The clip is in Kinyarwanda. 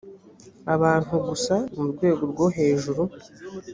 abantu gusa mu rwego rwohejuru